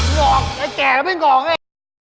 หวอกไอ้แก่เลยไม่เงาะให้